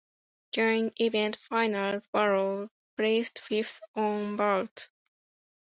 During event finals Barros placed fifth on vault.